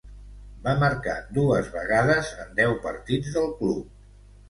Va marcar dues vegades en deu partits del club.